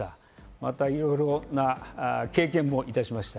またいろんな経験もしました。